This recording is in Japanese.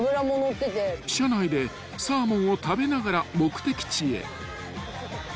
［車内でサーモンを食べながら目的地へ］